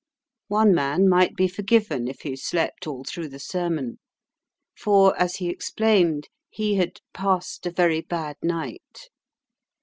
One man might be forgiven if he slept all through the sermon, for, as he explained, he had "passed a very bad night."